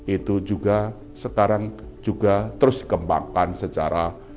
itu juga sekarang juga terus kembangkan secara